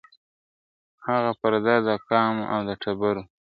هغه پر د ده د قام او د ټبر وو !.